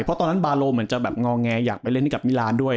เพราะตอนนั้นบาโลเหมือนจะแบบงอแงอยากไปเล่นให้กับมิรานด้วย